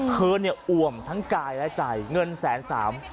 เธออวมทั้งกายและใจเงินแสนสาม